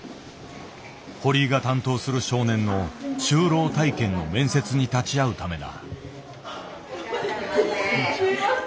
堀井が担当する少年の就労体験の面接に立ち会うためだ。